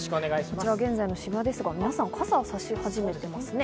こちら現在の渋谷ですが、皆さん、傘をさし始めていますね。